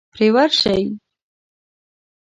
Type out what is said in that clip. پرې ورشئ.